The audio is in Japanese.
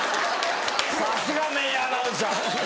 さすが名アナウンサー。